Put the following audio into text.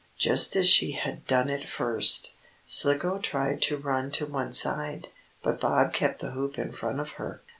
Just as she had done at first, Slicko tried to run to one side, but Bob kept the hoop in front of her.